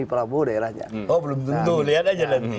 itu ada fotonya pak jokowi ma'ruf